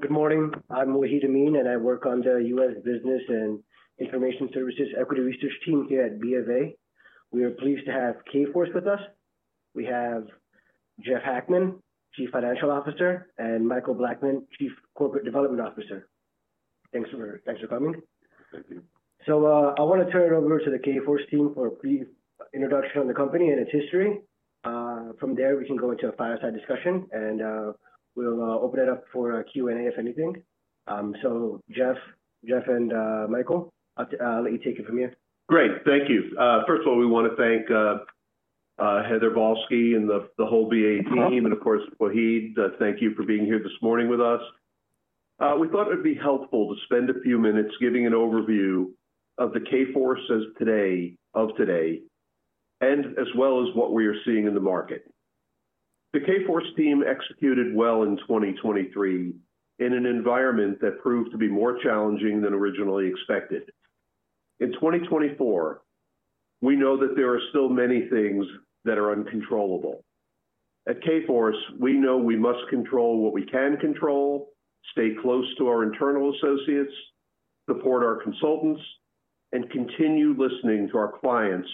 Good morning. I'm Mohit Amin, and I work on the U.S. Business and Information Services Equity Research Team here at BofA. We are pleased to have Kforce with us. We have Jeff Hackman, Chief Financial Officer, and Michael Blackman, Chief Corporate Development Officer. Thanks for coming. Thank you. So, I want to turn it over to the Kforce team for a brief introduction on the company and its history. From there we can go into a fireside discussion, and we'll open it up for a Q&A if anything. So, Jeff and Michael, I'll let you take it from here. Great. Thank you. First of all, we want to thank Heather Balsky and the whole BofA team, and of course Mohit, thank you for being here this morning with us. We thought it'd be helpful to spend a few minutes giving an overview of the Kforce as of today, and as well as what we are seeing in the market. The Kforce team executed well in 2023 in an environment that proved to be more challenging than originally expected. In 2024, we know that there are still many things that are uncontrollable. At Kforce, we know we must control what we can control, stay close to our internal associates, support our consultants, and continue listening to our clients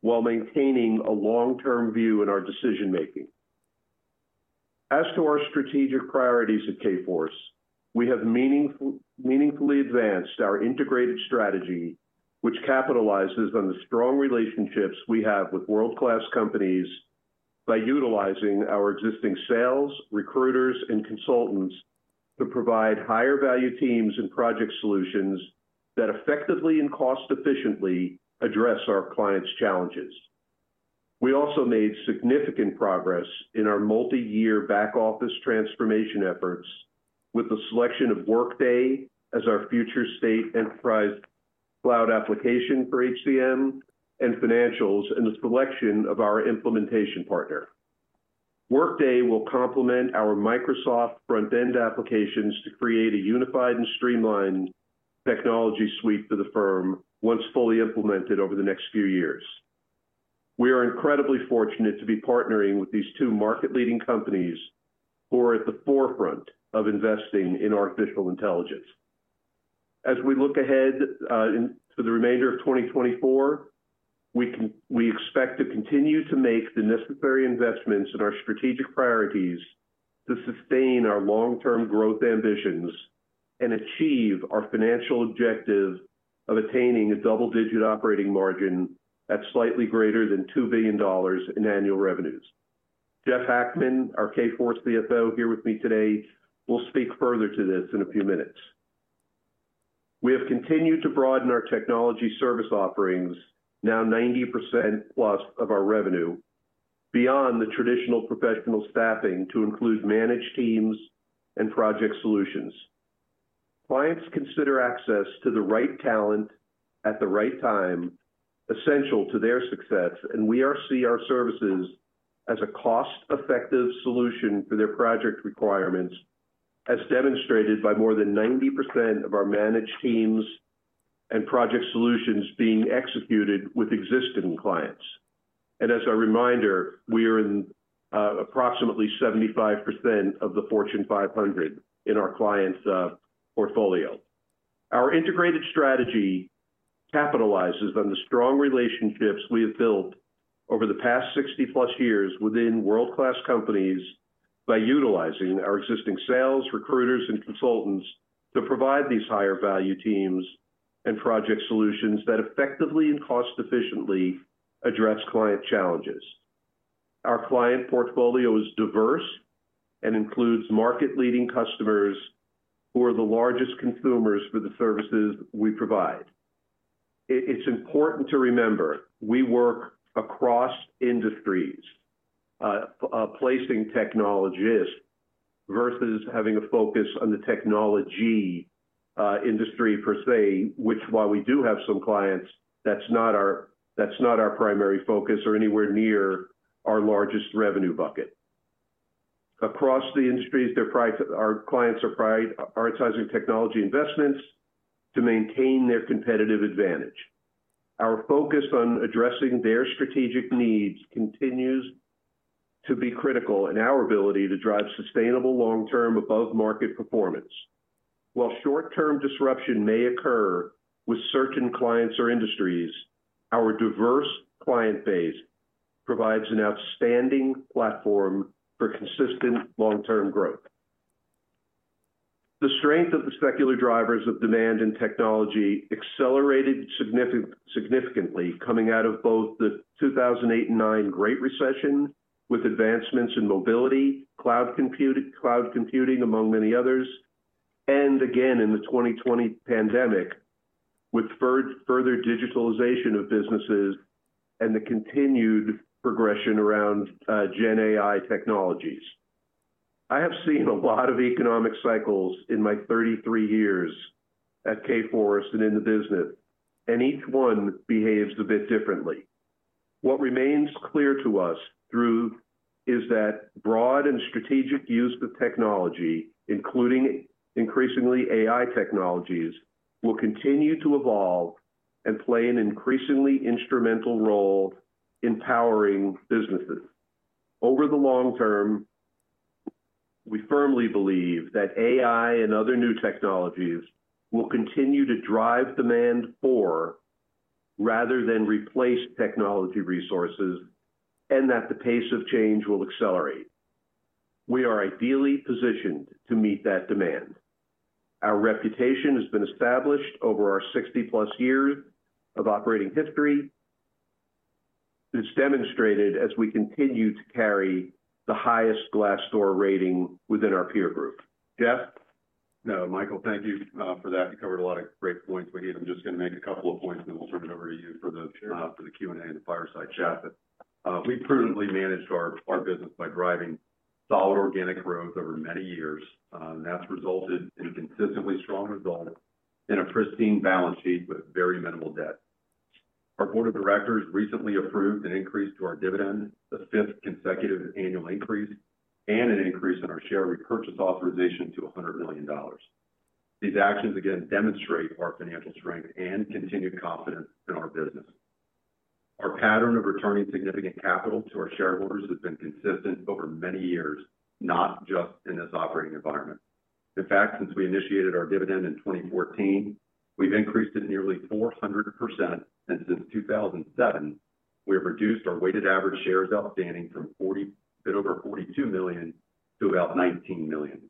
while maintaining a long-term view in our decision-making. As to our strategic priorities at Kforce, we have meaningfully advanced our integrated strategy, which capitalizes on the strong relationships we have with world-class companies by utilizing our existing sales, recruiters, and consultants to provide higher-value teams and project solutions that effectively and cost-efficiently address our clients' challenges. We also made significant progress in our multi-year back-office transformation efforts with the selection of Workday as our future state enterprise cloud application for HCM and financials and the selection of our implementation partner. Workday will complement our Microsoft front-end applications to create a unified and streamlined technology suite for the firm once fully implemented over the next few years. We are incredibly fortunate to be partnering with these two market-leading companies who are at the forefront of investing in artificial intelligence. As we look ahead into the remainder of 2024, we expect to continue to make the necessary investments in our strategic priorities to sustain our long-term growth ambitions and achieve our financial objective of attaining a double-digit operating margin at slightly greater than $2 billion in annual revenues. Jeff Hackman, our Kforce CFO here with me today, will speak further to this in a few minutes. We have continued to broaden our technology service offerings, now 90%+ of our revenue, beyond the traditional professional staffing to include managed teams and project solutions. Clients consider access to the right talent at the right time essential to their success, and we see our services as a cost-effective solution for their project requirements, as demonstrated by more than 90% of our managed teams and project solutions being executed with existing clients. As a reminder, we are in approximately 75% of the Fortune 500 in our clients' portfolio. Our integrated strategy capitalizes on the strong relationships we have built over the past 60-plus years within world-class companies by utilizing our existing sales, recruiters, and consultants to provide these higher-value teams and project solutions that effectively and cost-efficiently address client challenges. Our client portfolio is diverse and includes market-leading customers who are the largest consumers for the services we provide. It's important to remember we work across industries, placing technologists versus having a focus on the technology industry per se, which while we do have some clients, that's not our primary focus or anywhere near our largest revenue bucket. Across the industries, they're prioritizing our clients are prioritizing technology investments to maintain their competitive advantage. Our focus on addressing their strategic needs continues to be critical in our ability to drive sustainable long-term above-market performance. While short-term disruption may occur with certain clients or industries, our diverse client base provides an outstanding platform for consistent long-term growth. The strength of the secular drivers of demand and technology accelerated significantly coming out of both the 2008 and 2009 Great Recession with advancements in mobility, cloud computing, among many others, and again in the 2020 pandemic with further digitalization of businesses and the continued progression around Gen AI technologies. I have seen a lot of economic cycles in my 33 years at Kforce and in the business, and each one behaves a bit differently. What remains clear to us through is that broad and strategic use of technology, including increasingly AI technologies, will continue to evolve and play an increasingly instrumental role in powering businesses. Over the long term, we firmly believe that AI and other new technologies will continue to drive demand for rather than replace technology resources, and that the pace of change will accelerate. We are ideally positioned to meet that demand. Our reputation has been established over our 60+ years of operating history. It's demonstrated as we continue to carry the highest Glassdoor rating within our peer group. Jeff? No, Michael, thank you for that. You covered a lot of great points, Mohit. I'm just going to make a couple of points, and then we'll turn it over to you for the Q&A and the fireside chat. But, we prudently managed our business by driving solid organic growth over many years, and that's resulted in consistently strong results in a pristine balance sheet with very minimal debt. Our board of directors recently approved an increase to our dividend, the fifth consecutive annual increase, and an increase in our share repurchase authorization to $100 million. These actions, again, demonstrate our financial strength and continued confidence in our business. Our pattern of returning significant capital to our shareholders has been consistent over many years, not just in this operating environment. In fact, since we initiated our dividend in 2014, we've increased it nearly 400%, and since 2007, we have reduced our weighted average shares outstanding from 40 a bit over 42 million to about 19 million.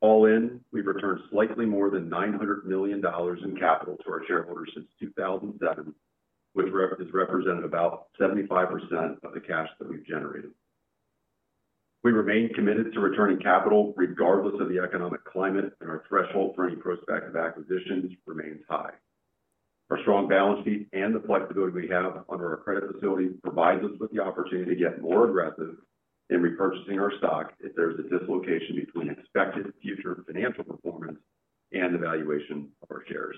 All in, we've returned slightly more than $900 million in capital to our shareholders since 2007, which has represented about 75% of the cash that we've generated. We remain committed to returning capital regardless of the economic climate, and our threshold for any prospective acquisitions remains high. Our strong balance sheet and the flexibility we have under our credit facility provides us with the opportunity to get more aggressive in repurchasing our stock if there's a dislocation between expected future financial performance and the valuation of our shares.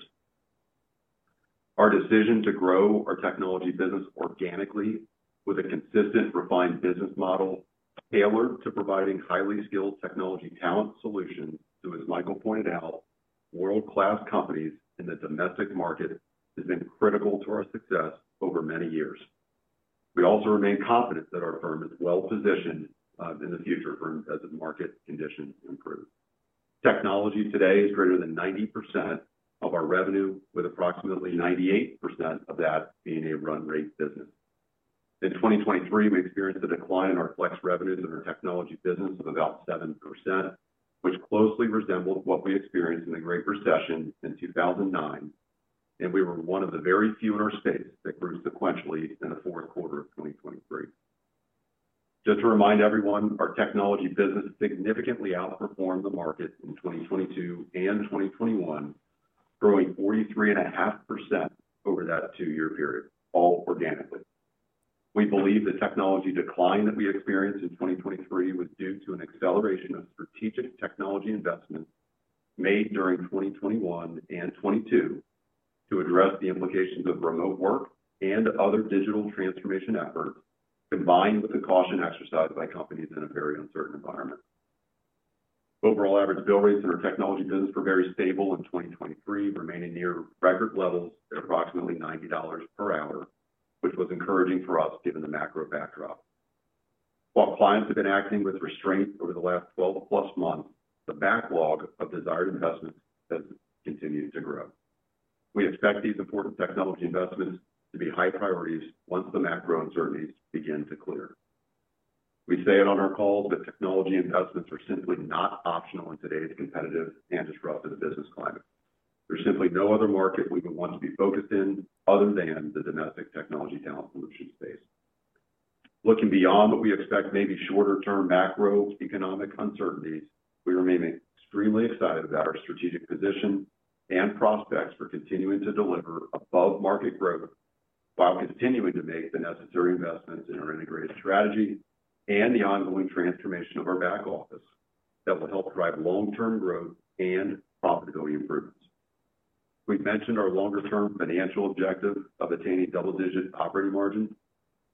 Our decision to grow our technology business organically with a consistent refined business model tailored to providing highly skilled technology talent solutions to, as Michael pointed out, world-class companies in the domestic market has been critical to our success over many years. We also remain confident that our firm is well positioned in the future as the market conditions improve. Technology today is greater than 90% of our revenue, with approximately 98% of that being a run-rate business. In 2023, we experienced a decline in our flex revenues in our technology business of about 7%, which closely resembled what we experienced in the Great Recession in 2009, and we were one of the very few in our space that grew sequentially in the fourth quarter of 2023. Just to remind everyone, our technology business significantly outperformed the market in 2022 and 2021, growing 43.5% over that two-year period, all organically. We believe the technology decline that we experienced in 2023 was due to an acceleration of strategic technology investments made during 2021 and 2022 to address the implications of remote work and other digital transformation efforts combined with the caution exercised by companies in a very uncertain environment. Overall average bill rates in our technology business were very stable in 2023, remaining near record levels at approximately $90 per hour, which was encouraging for us given the macro backdrop. While clients have been acting with restraint over the last 12-plus months, the backlog of desired investments has continued to grow. We expect these important technology investments to be high priorities once the macro uncertainties begin to clear. We say it on our calls, but technology investments are simply not optional in today's competitive and disruptive business climate. There's simply no other market we would want to be focused in other than the domestic technology talent solution space. Looking beyond what we expect, maybe shorter-term macroeconomic uncertainties, we remain extremely excited about our strategic position and prospects for continuing to deliver above-market growth while continuing to make the necessary investments in our integrated strategy and the ongoing transformation of our back office that will help drive long-term growth and profitability improvements. We've mentioned our longer-term financial objective of attaining double-digit operating margins.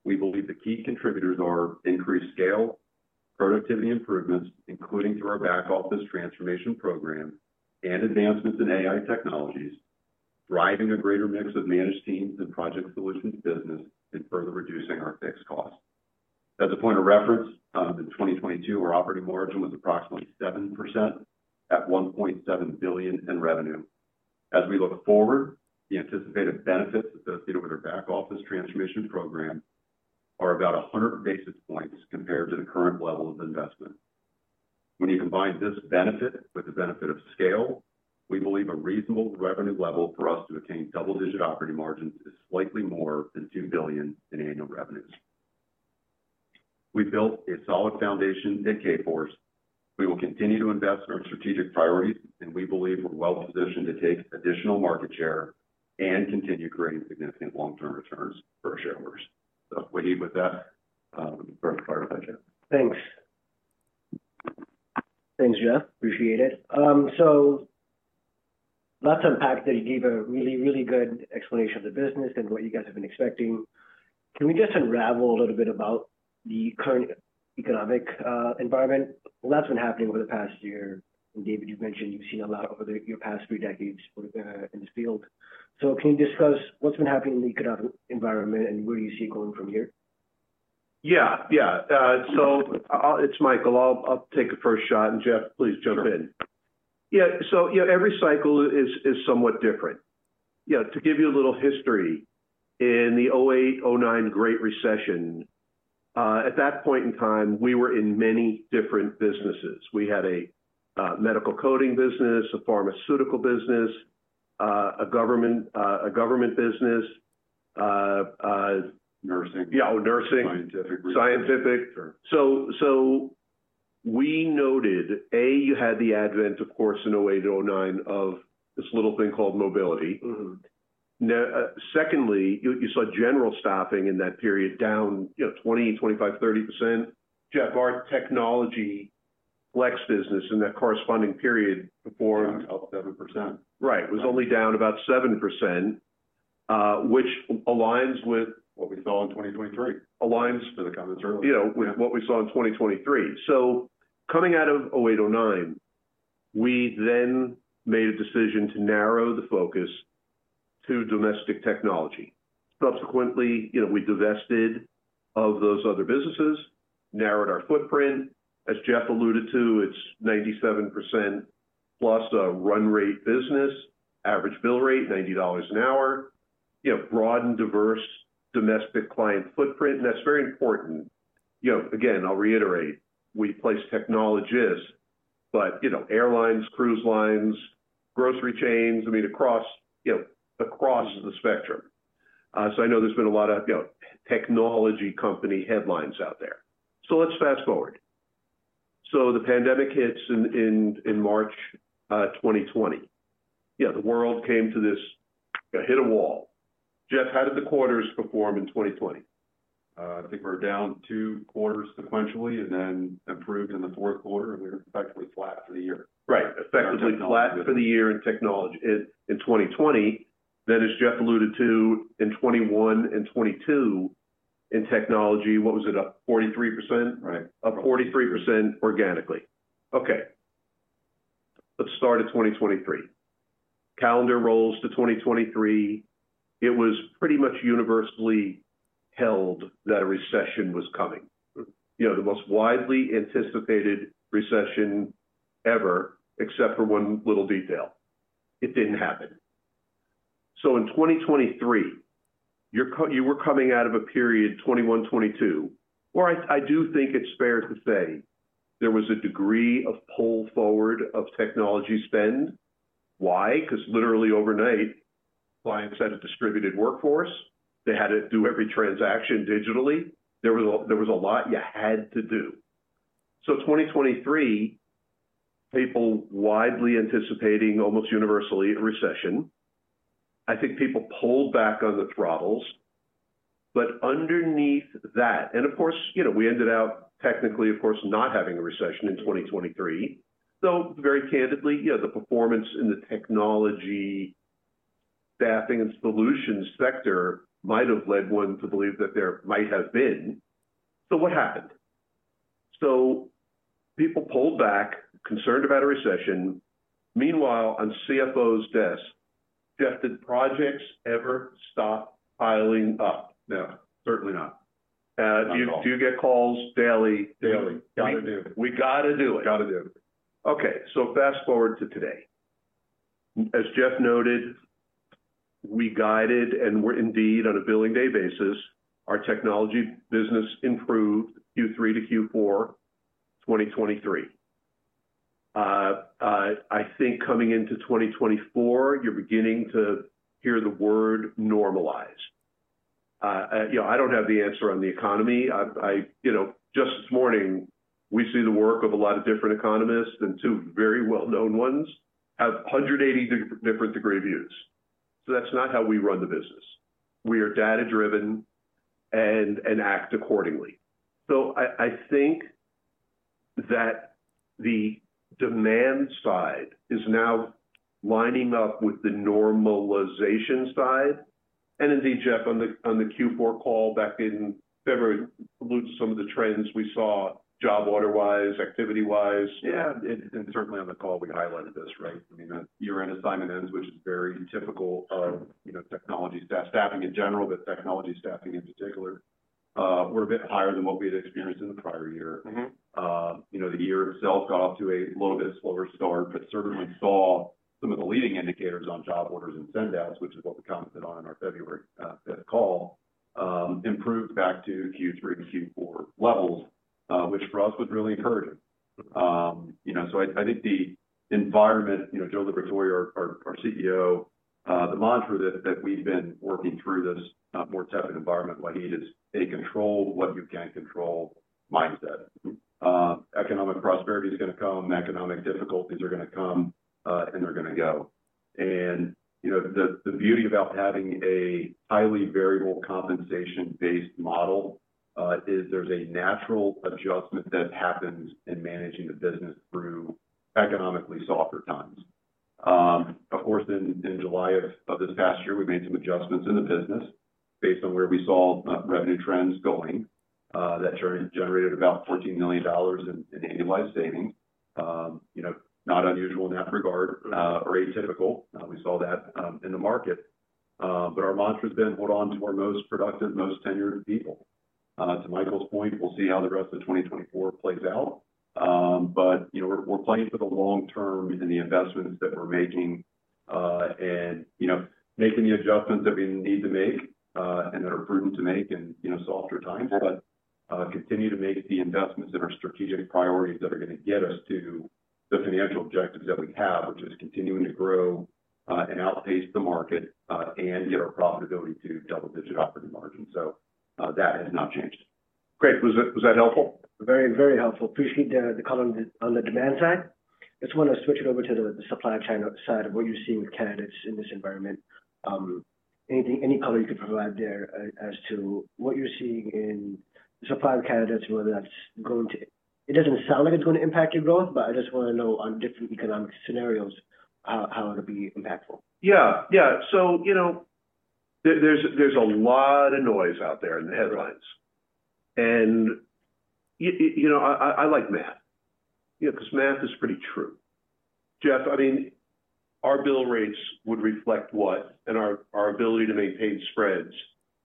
We believe the key contributors are increased scale, productivity improvements, including through our back office transformation program, and advancements in AI technologies, driving a greater mix of managed teams and project solutions business, and further reducing our fixed costs. As a point of reference, in 2022, our operating margin was approximately 7% at $1.7 billion in revenue. As we look forward, the anticipated benefits associated with our back office transformation program are about 100 basis points compared to the current level of investment. When you combine this benefit with the benefit of scale, we believe a reasonable revenue level for us to attain double-digit operating margins is slightly more than $2 billion in annual revenues. We've built a solid foundation at Kforce. We will continue to invest in our strategic priorities, and we believe we're well positioned to take additional market share and continue creating significant long-term returns for our shareholders. So, Mohit, with that, clarify with that, Jeff. Thanks. Thanks, Jeff. Appreciate it. So lots unpacked that you gave a really, really good explanation of the business and what you guys have been expecting. Can we just unravel a little bit about the current economic environment? Well, that's been happening over the past year, and David, you've mentioned you've seen a lot over the your past three decades for, in this field. So can you discuss what's been happening in the economic environment, and where do you see it going from here? Yeah. Yeah. So, it's Michael. I'll take the first shot, and Jeff, please jump in. Sure. Yeah. So, you know, every cycle is somewhat different. You know, to give you a little history, in the 2008, 2009 Great Recession, at that point in time, we were in many different businesses. We had a medical coding business, a pharmaceutical business, a government business, Nursing. Yeah. Oh, nursing. Scientific. Scientific. Sure. We noted, A, you had the advent, of course, in 2008 and 2009 of this little thing called mobility. Mm-hmm. Now, secondly, you saw general staffing in that period down, you know, 20%, 25%, 30%. Jeff, our technology flex business in that corresponding period performed. Down about 7%. Right. Was only down about 7%, which aligns with. What we saw in 2023. Aligns. For the comments earlier. You know, with what we saw in 2023. So coming out of 2008, 2009, we then made a decision to narrow the focus to domestic technology. Subsequently, you know, we divested of those other businesses, narrowed our footprint. As Jeff alluded to, it's 97% plus a run-rate business, average bill rate $90 an hour, you know, broad and diverse domestic client footprint. And that's very important. You know, again, I'll reiterate, we placed technologists, but, you know, airlines, cruise lines, grocery chains, I mean, across you know, across the spectrum. So I know there's been a lot of, you know, technology company headlines out there. So let's fast forward. So the pandemic hits in March 2020. You know, the world came to this you know, hit a wall. Jeff, how did the quarters perform in 2020? I think we're down two quarters sequentially and then improved in the fourth quarter, and we're effectively flat for the year. Right. Effectively flat for the year in technology. In 2020, then, as Jeff alluded to, in 2021 and 2022 in technology, what was it? Up 43%? Right. Up 43% organically. Okay. Let's start at 2023. Calendar rolls to 2023. It was pretty much universally held that a recession was coming. You know, the most widely anticipated recession ever, except for one little detail. It didn't happen. So in 2023, you were coming out of a period, 2021, 2022, where I do think it's fair to say there was a degree of pull forward of technology spend. Why? Because literally overnight, clients had a distributed workforce. They had to do every transaction digitally. There was a lot you had to do. So 2023, people widely anticipating, almost universally, a recession. I think people pulled back on the throttles. But underneath that and of course, you know, we ended out technically, of course, not having a recession in 2023. Though very candidly, you know, the performance in the technology staffing and solutions sector might have led one to believe that there might have been. So what happened? So people pulled back, concerned about a recession. Meanwhile, on CFO's desk, Jeff, did projects ever stop piling up? No. Certainly not. Do you get calls daily? Daily. Gotta do. We gotta do it. Gotta do it. Okay. So fast forward to today. As Jeff noted, we guided, and we're indeed on a billing day basis. Our technology business improved Q3 to Q4 2023. I think coming into 2024, you're beginning to hear the word normalize. You know, I don't have the answer on the economy. I, you know, just this morning, we see the work of a lot of different economists and two very well-known ones have 180-degree different views. So that's not how we run the business. We are data-driven and act accordingly. So I think that the demand side is now lining up with the normalization side. And indeed, Jeff, on the Q4 call back in February, alluded to some of the trends we saw job order-wise, activity-wise. Yeah. And certainly on the call, we highlighted this, right? I mean, that year-end assignment ends, which is very typical of, you know, technology staff staffing in general, but technology staffing in particular. We're a bit higher than what we had experienced in the prior year. Mm-hmm. You know, the year itself got off to a little bit slower start, but certainly saw some of the leading indicators on job orders and send-outs, which is what we commented on in our February fifth call, improve back to Q3 and Q4 levels, which for us was really encouraging. You know, so I think the environment you know, Joe Liberatore, our CEO, the mantra that we've been working through this more tech environment, Mohit, is, "Hey, control what you can control," mindset. Economic prosperity's gonna come. Economic difficulties are gonna come, and they're gonna go. You know, the beauty about having a highly variable compensation-based model is there's a natural adjustment that happens in managing the business through economically softer times. Of course, in July of this past year, we made some adjustments in the business based on where we saw revenue trends going, that generated about $14 million in annualized savings. You know, not unusual in that regard, or atypical. We saw that in the market. But our mantra's been, "Hold on to our most productive, most tenured people." To Michael's point, we'll see how the rest of 2024 plays out. But, you know, we're playing for the long term in the investments that we're making, and, you know, making the adjustments that we need to make, and that are prudent to make in, you know, softer times, but continue to make the investments in our strategic priorities that are gonna get us to the financial objectives that we have, which is continuing to grow, and outpace the market, and get our profitability to double-digit operating margins. So, that has not changed. Great. Was it that helpful? Very, very helpful. Appreciate the comment on the demand side. I just wanna switch it over to the supply chain side of what you're seeing with candidates in this environment. Any color you could provide there, as to what you're seeing in the supply of candidates, whether that's going to, it doesn't sound like it's gonna impact your growth, but I just wanna know on different economic scenarios how it'll be impactful. Yeah. Yeah. So, you know, there's a lot of noise out there in the headlines. And you know, I like math, you know, 'cause math is pretty true. Jeff, I mean, our bill rates would reflect what? And our ability to maintain spreads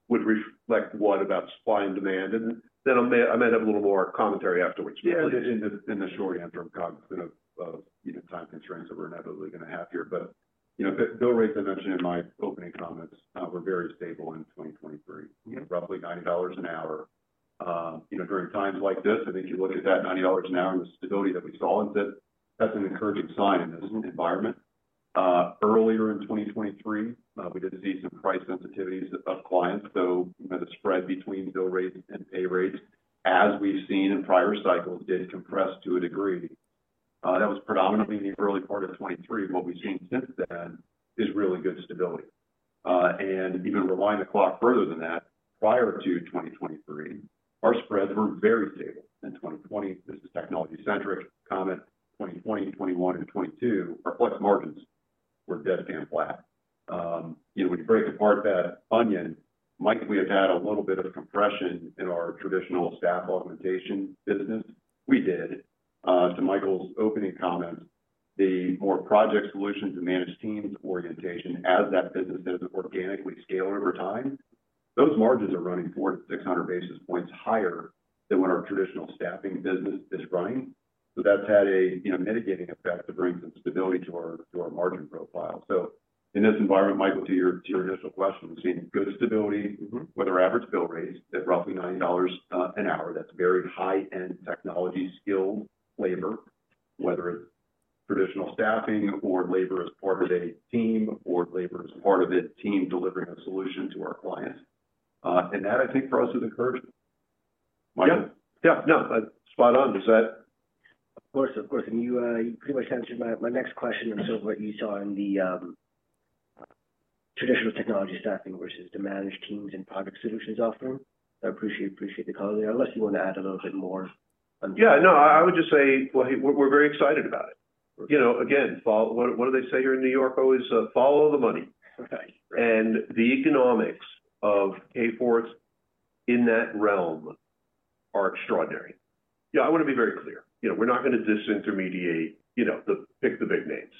would reflect what about supply and demand? And then I may have a little more commentary afterwards, if you please. Yeah. In the short-term cognizant of you know time constraints that we're inevitably gonna have here. But, you know, bill rates I mentioned in my opening comments were very stable in 2023. Yeah. You know, roughly $90 an hour. You know, during times like this, I think you look at that $90 an hour and the stability that we saw, and that, that's an encouraging sign in this environment. Earlier in 2023, we did see some price sensitivities of clients. So, you know, the spread between bill rates and pay rates, as we've seen in prior cycles, did compress to a degree. That was predominantly in the early part of 2023. What we've seen since then is really good stability. And even rewind the clock further than that, prior to 2023, our spreads were very stable in 2020. This is technology-centric comment. 2020, 2021, and 2022, our flex margins were dead flat. You know, when you break apart that onion, might we have had a little bit of compression in our traditional staff augmentation business? We did. To Michael's opening comment, the more project solutions and managed teams orientation, as that business has organically scaled over time, those margins are running 400-600 basis points higher than when our traditional staffing business is running. So that's had a, you know, mitigating effect to bring some stability to our to our margin profile. So in this environment, Michael, to your to your initial question, we've seen good stability. Mm-hmm. Whether average bill rates at roughly $90 an hour, that's very high-end technology skilled labor, whether it's traditional staffing or labor as part of a team or labor as part of a team delivering a solution to our clients. And that, I think, for us is encouraging. Michael? Yeah. Yeah. No. Spot on. Is that? Of course. Of course. And you, you pretty much answered my, my next question in terms of what you saw in the traditional technology staffing versus the managed teams and project solutions offering. I appreciate, appreciate the color. Unless you wanna add a little bit more on. Yeah. No. I would just say, well, hey, we're very excited about it. You know, again, follow what do they say here in New York? Always, follow the money. Right. Right. The economics of Kforce in that realm are extraordinary. Yeah. I wanna be very clear. You know, we're not gonna disintermediate, you know, like the big names.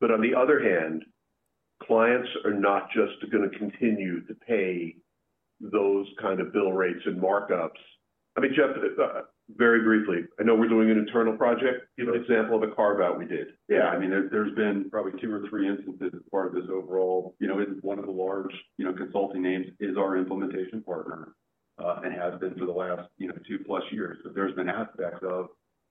But on the other hand, clients are not just gonna continue to pay those kind of bill rates and markups. I mean, Jeff, very briefly, I know we're doing an internal project. Yeah. Give an example of a carve-out we did? Yeah. I mean, there, there's been probably two or three instances as part of this overall you know, one of the large, you know, consulting names is our implementation partner, and has been for the last, you know, two-plus years. But there's been aspects of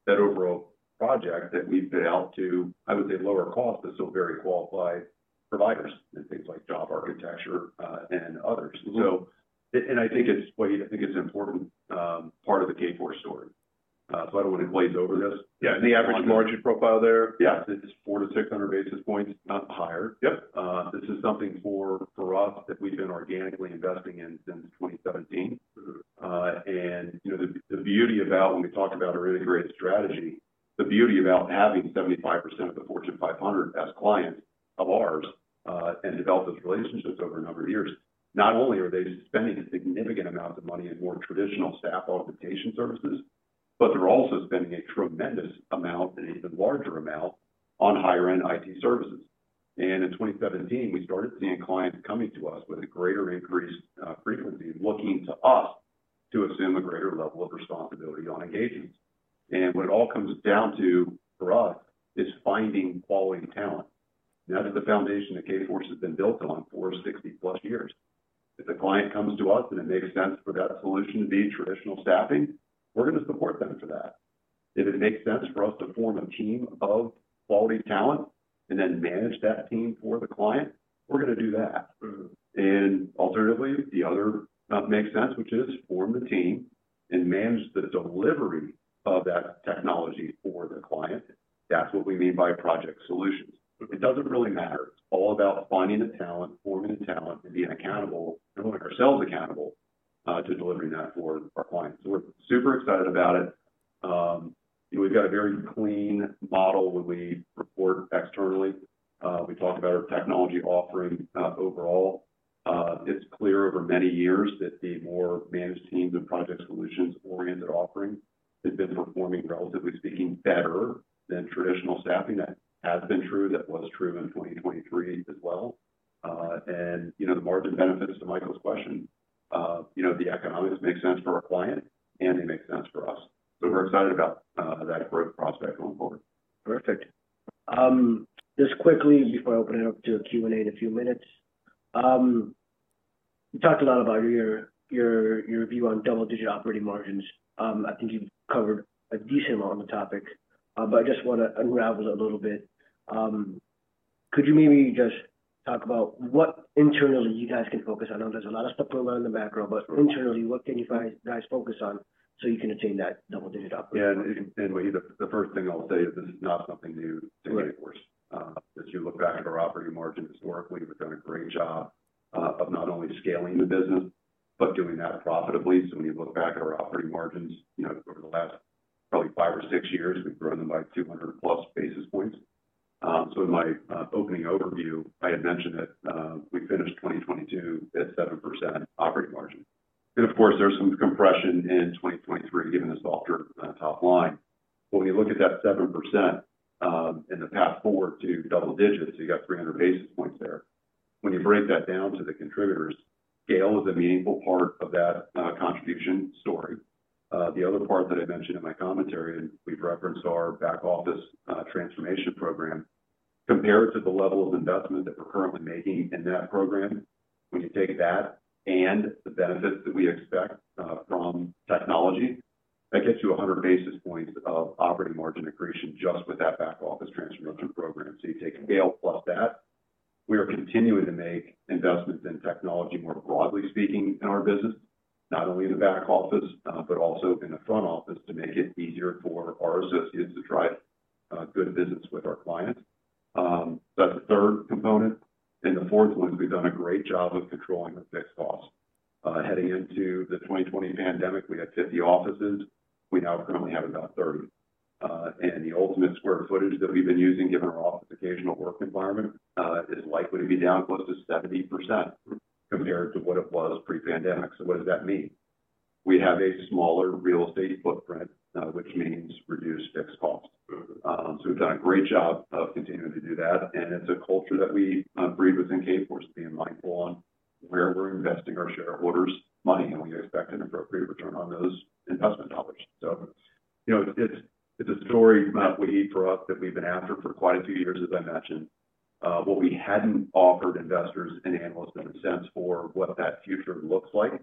that overall project that we've bid out to, I would say, lower cost but still very qualified providers in things like job architecture, and others. Mm-hmm. So, it and I think it's Mohit, I think it's an important part of the Kforce story. So I don't wanna gloss over this. Yeah. And the average margin profile there? Yeah. It's 4-600 basis points, not higher. Yep. This is something for us that we've been organically investing in since 2017. Mm-hmm. You know, the beauty about when we talked about our integrated strategy, the beauty about having 75% of the Fortune 500 as clients of ours, and develop those relationships over a number of years, not only are they spending significant amounts of money in more traditional staff augmentation services, but they're also spending a tremendous amount, an even larger amount, on higher-end IT services. In 2017, we started seeing clients coming to us with a greater increased frequency looking to us to assume a greater level of responsibility on engagements. What it all comes down to for us is finding quality talent. Now, that's the foundation that Kforce has been built on for 60-plus years. If a client comes to us and it makes sense for that solution to be traditional staffing, we're gonna support them for that. If it makes sense for us to form a team of quality talent and then manage that team for the client, we're gonna do that. Mm-hmm. Alternatively, the other makes sense, which is form the team and manage the delivery of that technology for the client. That's what we mean by Project Solutions. Mm-hmm. It doesn't really matter. probably five or six years, we've grown them by 200+ basis points. So in my opening overview, I had mentioned that we finished 2022 at 7% operating margin. And of course, there's some compression in 2023, given the softer top line. But when you look at that 7%, in the path forward to double digits, so you got 300 basis points there, when you break that down to the contributors, scale is a meaningful part of that contribution story. The other part that I mentioned in my commentary, and we've referenced our back office transformation program, compared to the level of investment that we're currently making in that program, when you take that and the benefits that we expect from technology, that gets you 100 basis points of operating margin accretion just with that back office transformation program. So you take scale plus that. We are continuing to make investments in technology, more broadly speaking, in our business, not only in the back office, but also in the front office to make it easier for our associates to drive good business with our clients. So that's the third component. And the fourth one is we've done a great job of controlling our fixed costs. Heading into the 2020 pandemic, we had 50 offices. We now currently have about 30. The ultimate square footage that we've been using, given our office occasional work environment, is likely to be down close to 70% compared to what it was pre-pandemic. What does that mean? We have a smaller real estate footprint, which means reduced fixed costs. Mm-hmm. So we've done a great job of continuing to do that. And it's a culture that we breed within Kforce, being mindful on where we're investing our shareholders' money, and we expect an appropriate return on those investment dollars. So, you know, it's a story, Mohit, for us that we've been after for quite a few years, as I mentioned. What we hadn't offered investors and analysts in a sense for what that future looks like.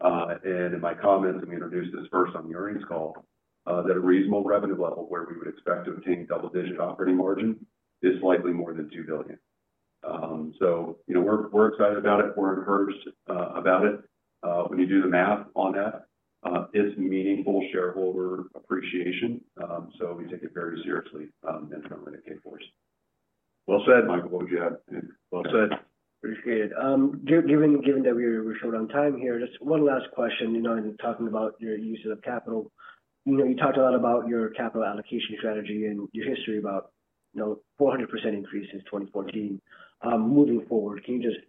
And in my comments, and we introduced this first on the earnings call, that a reasonable revenue level where we would expect to attain double-digit operating margin is slightly more than $2 billion. So, you know, we're excited about it. We're encouraged about it. When you do the math on that, it's meaningful shareholder appreciation. So we take it very seriously, internally at Kforce. Well said, Michael. What would you add? Well said. Appreciated. Given that we're short on time here, just one last question. You know, in talking about your use of capital, you know, you talked a lot about your capital allocation strategy and your history about, you know, 400% increase since 2014. Moving forward, can you just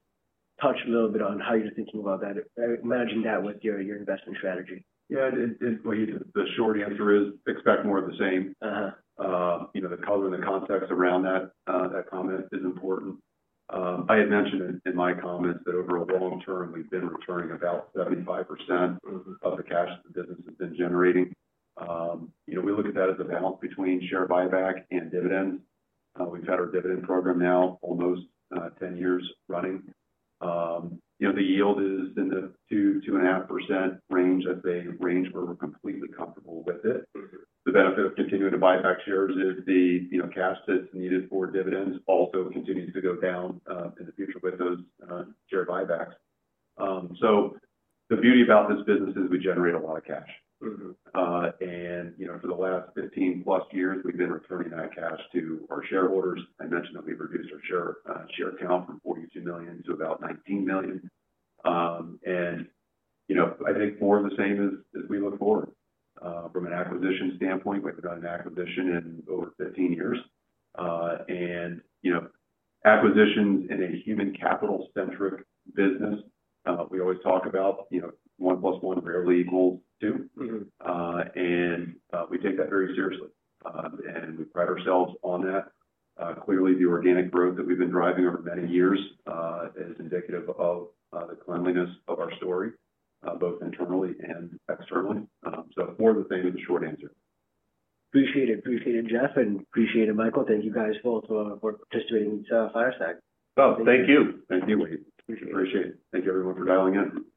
touch a little bit on how you're thinking about that, managing that with your investment strategy? Yeah. Mohit, the short answer is expect more of the same. Uh-huh. You know, the color and the context around that comment is important. I had mentioned in my comments that over a long term, we've been returning about 75%. Mm-hmm. Of the cash that the business has been generating, you know, we look at that as a balance between share buyback and dividends. We've had our dividend program now almost 10 years running. You know, the yield is in the 2%-2.5% range. That's a range where we're completely comfortable with it. Mm-hmm. The benefit of continuing to buy back shares is the, you know, cash that's needed for dividends also continues to go down in the future with those share buybacks. The beauty about this business is we generate a lot of cash. Mm-hmm. You know, for the last 15+ years, we've been returning that cash to our shareholders. I mentioned that we've reduced our share count from 42 million to about 19 million. You know, I think more of the same as we look forward, from an acquisition standpoint. We've done an acquisition in over 15 years. You know, acquisitions in a human capital-centric business, we always talk about, you know, one plus one rarely equals two. Mm-hmm. We take that very seriously. We pride ourselves on that. Clearly, the organic growth that we've been driving over many years is indicative of the cleanliness of our story, both internally and externally. So more of the same is the short answer. Appreciated. Appreciated, Jeff. Appreciated, Michael. Thank you guys both for participating in Fireside. Oh, thank you. Thank you, Mohit. Appreciate it. Thank you, everyone, for dialing in.